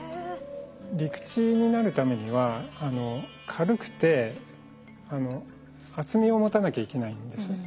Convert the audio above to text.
陸地になるためには軽くて厚みを持たなきゃいけないんです。